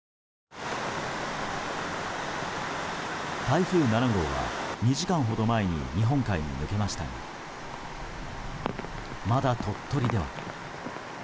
台風７号は２時間ほど前に日本海に抜けましたがまだ鳥取では。